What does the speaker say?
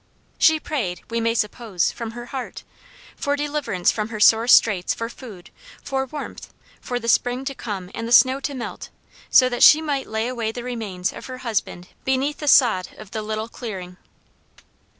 She prayed, we may suppose, from her heart, for deliverance from her sore straits for food, for warmth, for the spring to come and the snow to melt, so that she might lay away the remains of her husband beneath the sod of the little clearing.